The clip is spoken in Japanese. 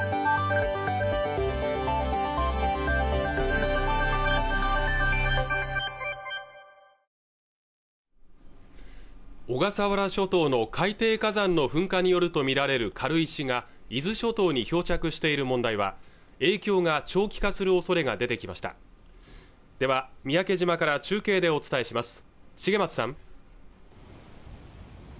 永時ちゃんの遺体に外傷などはなかったということで小笠原諸島の海底火山の噴火によると見られる軽石が伊豆諸島に漂着している問題は影響が長期化する恐れが出てきましたでは三宅島から中継でお伝えします重松さん